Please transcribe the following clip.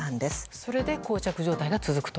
それで膠着状態が続くと。